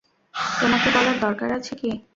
তোমাকে বলার দরকার আছে কি?